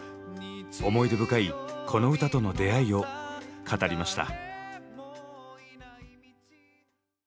思い出深いこの歌との出会いを語りました。